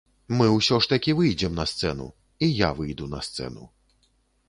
Мы усё ж такі выйдзем на сцэну, і я выйду на сцэну.